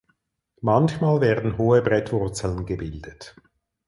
Manchmal werden hohe Brettwurzeln gebildet.